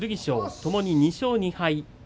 ともに２勝２敗。